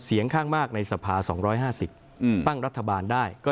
เสียงข้างมากในสภา๒๕๐ตั้งรัฐบาลได้